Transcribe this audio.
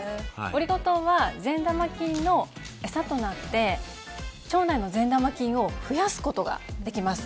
オリゴ糖は善玉菌の餌となって腸内の善玉菌を増やすことができます。